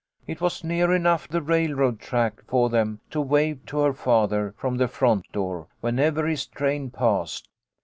It was near enough the railroad track for them to wave to her father, from the front door, whenever his train passed.